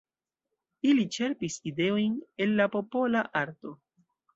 Ili ĉerpis ideojn el la popola arto.